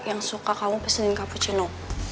yang suka kamu pesenin cappuccino